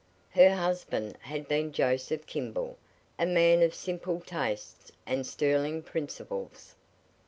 Her husband had been Joseph Kimball, a man of simple tastes and sterling principles.